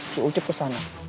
si ucup kesana